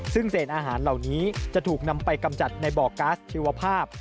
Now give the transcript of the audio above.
ซึ่งเศษอาหารเหล่านี้จะถูกนำไปกำจัดในบ่อก๊าซชีวภาพ